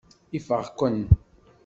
Ifeɣ-ken.